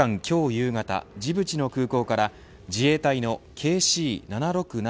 夕方ジブチの空港から自衛隊のＫＣー７６７